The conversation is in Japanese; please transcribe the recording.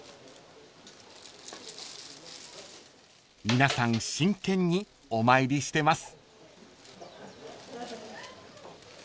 ［皆さん真剣にお参りしてます］